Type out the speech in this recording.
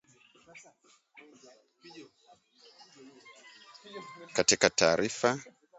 Katika taarifa